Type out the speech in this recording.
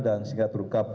dan sehingga terungkap